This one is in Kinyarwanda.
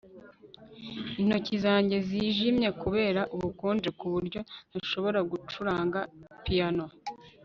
Intoki zanjye zijimye kubera ubukonje kuburyo ntashobora gucuranga piyano